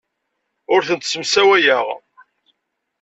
Ur tent-ssemsawayeɣ.